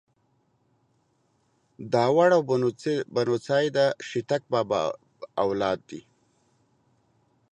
داوړ او بنوڅي ده شيتک بابا اولاد دې.